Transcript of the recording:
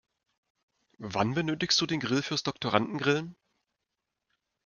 Wann benötigst du den Grill fürs Doktorandengrillen?